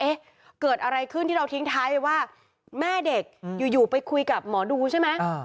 เกิดอะไรขึ้นที่เราทิ้งท้ายไปว่าแม่เด็กอยู่ไปคุยกับหมอดูใช่ไหม